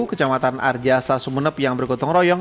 kecamatan arjasa sumeneb yang bergotong royong